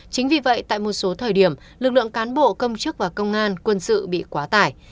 chính vì vậy tại một số thời điểm lực lượng cán bộ công chức và công an quân sự bị quá tải